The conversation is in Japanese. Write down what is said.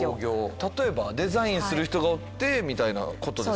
例えばデザインする人がおってみたいなことですか？